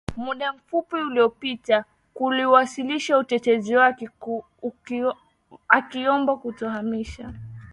muda mfupi uliopita kuwasilisha utetezi wake akiomba kutohamisha